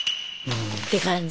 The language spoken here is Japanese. って感じ。